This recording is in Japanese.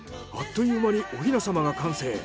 あっという間にお雛さまが完成。